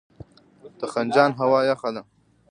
د خنجان هوا یخه ده